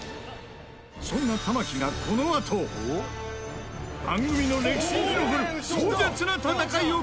そんな玉木がこのあと番組の歴史に残る壮絶な戦いを繰り広げる事に。